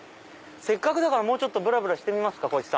せっかくだからもうちょっとぶらぶらしてみますか。